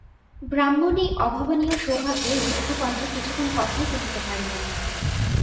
ব্রাহ্মণ এই অভাবনীয় সৌভাগ্যে রুদ্ধকণ্ঠে কিছুক্ষণ কথাই কহিতে পারিলেন না।